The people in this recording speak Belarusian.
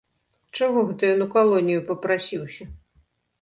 Чаго гэта ён у калонію папрасіўся?